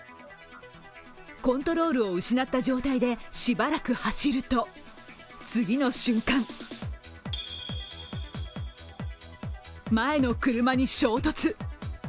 コントロールを失った状態でしばらく走ると、次の瞬間前の車に衝突。